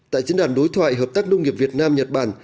tại diễn đàn đối thoại hợp tác nông nghiệp việt nam nhật bản